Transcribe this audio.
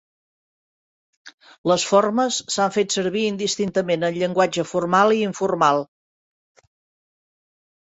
Les formes s'han fet servir indistintament en llenguatge formal i informal.